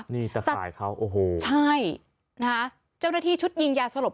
นี่แต่สายเขาโอ้โหใช่นะคะเจ้าหน้าที่ชุดยิงยาสลบ